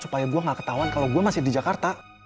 supaya gue gak ketahuan kalau gue masih di jakarta